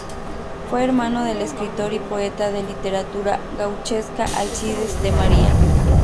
Fue hermano del escritor y poeta de literatura gauchesca Alcides de María.